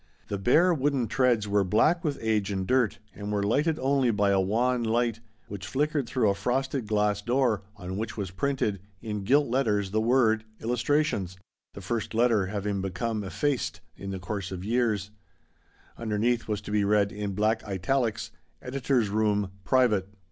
The bare wooden treads were black with age and dirt, and were lighted only by a wan light which flickered through a frosted glass door, on which was printed in gilt letters the word Illustrations, the first letter having become effaced in the course of 134 THE 8T0RT OF A MODERN WOMAN. years. Underneath was to be read, in black italics :" Editor's Room. Private?